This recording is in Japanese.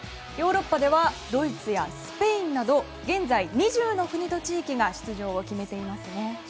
ヨーロッパではドイツやスペインなど現在２０の国と地域が出場を決めています。